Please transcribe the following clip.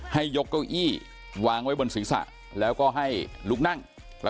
ให้ยกเก้าอี้วางไว้บนศีรษะแล้วก็ให้ลุกนั่ง